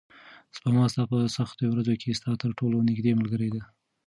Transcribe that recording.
سپما ستا په سختو ورځو کې ستا تر ټولو نږدې ملګرې ده.